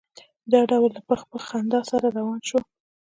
دواړه له پخ پخ خندا سره روان شول.